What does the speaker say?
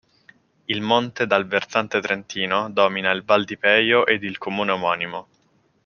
Il monte dal versante trentino domina la Val di Peio ed il comune omonimo.